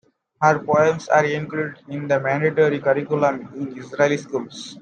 Her poems are included in the mandatory curriculum in Israeli schools.